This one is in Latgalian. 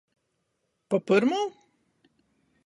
Pa pyrmū?